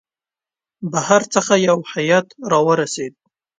بهر څخه یو هیئات را ورسېد.